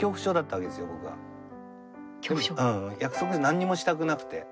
なんにもしたくなくて。